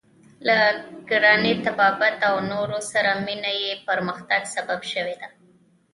له کرانې، طبابت او نورو سره مینه یې د پرمختګ سبب شوې ده.